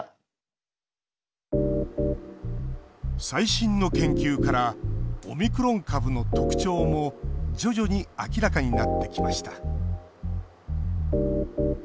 最新の研究からオミクロン株の特徴も徐々に明らかになってきました。